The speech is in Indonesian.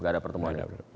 nggak ada pertemuan